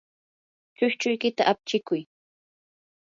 chushchuykita apchikuy.